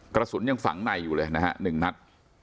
กระสุนยังฝังในอยู่เลยนะฮะ๑นัด